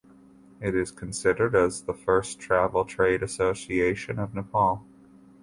It is considered as the first travel trade association of Nepal.